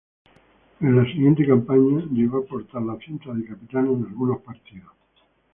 En la siguiente campaña, llegó a portar la cinta de capitán en algunos partidos.